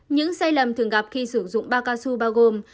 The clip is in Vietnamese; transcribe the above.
những sai lầm thường gặp khi sử dụng ba cao su bao gồm